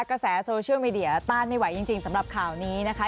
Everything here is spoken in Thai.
กระแสโซเชียลมีเดียต้านไม่ไหวจริงสำหรับข่าวนี้นะคะ